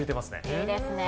いいですね。